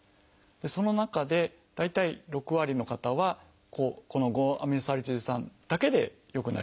その中で大体６割の方はこの５−アミノサリチル酸だけで良くなりますね。